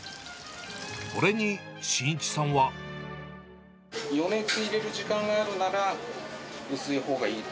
これに真一さんは。余熱入れる時間があるなら、薄いほうがいい。